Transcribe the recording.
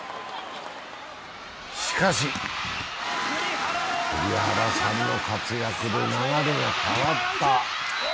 しかし、栗原さんの活躍で流れが変わった。